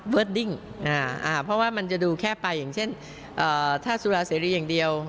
เวิร์ดดิ้งอ่าอ่าเพราะว่ามันจะดูแค่ไปอย่างเช่นอ่าถ้าสุราเสรีอย่างเดียว